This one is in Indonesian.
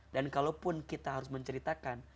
dan kalaupun kita harus menceritakan